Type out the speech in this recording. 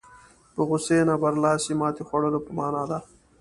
په غوسې نه برلاسي ماتې خوړلو په معنا ده.